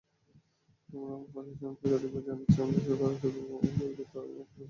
আমরা প্রশাসনকে একাধিকবার জানাচ্ছি, তারা শুধু বলছে তারাও নাকি অপারেশনে আছে।